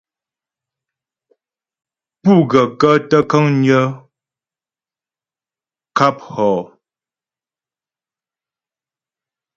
Pú gaə̂kə́ tə kə̀ŋgnə̀ ŋkâp hɔ ?